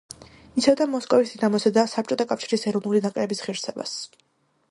იცავდა მოსკოვის „დინამოსა“ და საბჭოთა კავშირის ეროვნული ნაკრების ღირსებას.